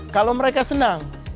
kalau mereka senang